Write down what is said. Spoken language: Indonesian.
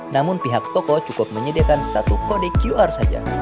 namun pihak toko cukup menyediakan satu kode qr saja